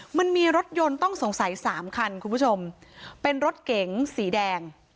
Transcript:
มันมีรถยนต์ต้องสงสัยสามคันคุณผู้ชมเป็นรถเก๋งสีแดง